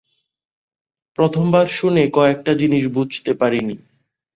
প্রথম বার শুনে কয়েকটা জিনিস বুঝতে পারি নি।